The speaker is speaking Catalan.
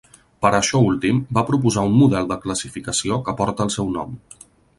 Per a això últim, va proposar un model de classificació que porta el seu nom.